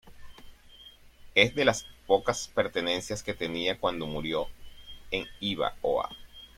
Es de las pocas pertenencias que tenía cuando murió en Hiva Oa.